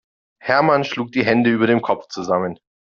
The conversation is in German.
Hermann schlug die Hände über dem Kopf zusammen.